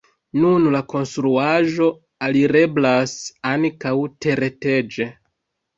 Nun la konstruaĵo alireblas ankaŭ tereteĝe.